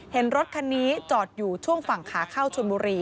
เห็นรถคันนี้จอดอยู่ช่วงฝั่งขาเข้าชนบุรี